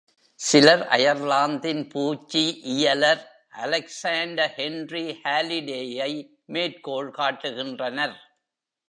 சிலர் அயர்லாந்தின் பூச்சியியலர் Alexander Henry Haliday-ஐ மேற்கோள் காட்டுகின்றனர்.